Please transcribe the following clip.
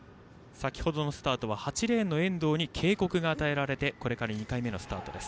先程のスタートは８レーンの遠藤に警告が与えられて２回目のスタート。